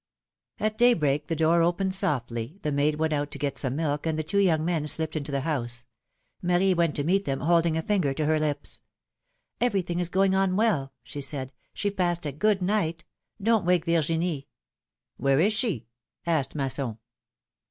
T daybreak the door opened softly, the maid went out to get some milk, and the two young men slipped into the house. Marie went to meet them, holding a finger to her lips. ''Everything is going on well,'^ she said; "she passed a good night. Don't wake Virginie." " Where is she?" asked Masson.